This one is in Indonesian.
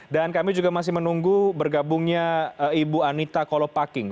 dan kami juga masih menunggu bergabungnya ibu anita kolopaking